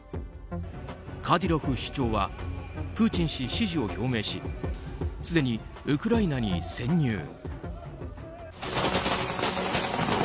カディロフ首長はプーチン氏支持を表明しすでにウクライナに潜入。